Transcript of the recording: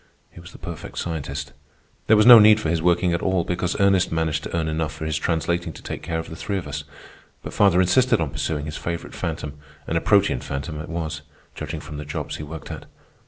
He was the perfect scientist. There was no need for his working at all, because Ernest managed to earn enough from his translating to take care of the three of us. But father insisted on pursuing his favorite phantom, and a protean phantom it was, judging from the jobs he worked at.